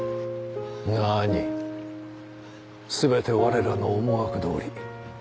なに全て我らの思惑どおり。